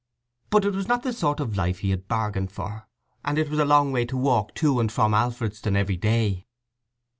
But it was not the sort of life he had bargained for, and it was a long way to walk to and from Alfredston every day.